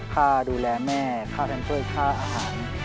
ค่าดูแลแม่ค่าแนนเฟอร์ค่าอาหาร